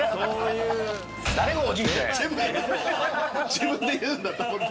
自分で言うんだと思って。